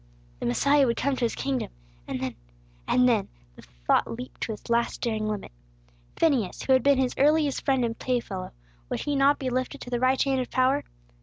The Messiah would come to His kingdom, and then and then the thought leaped to its last daring limit. Phineas, who had been His earliest friend and playfellow, would he not be lifted to the right hand of power?